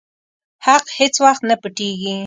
حق هيڅ وخت نه پټيږي.